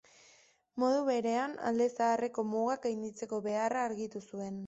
Modu berean, Alde Zaharreko mugak gainditzeko beharra argitu zuen.